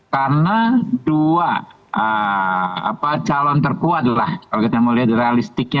karena dua calon terkuat lah kalau kita mau lihat realistiknya